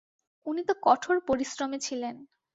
উনি তো কঠোর পরিশ্রমী ছিলেন।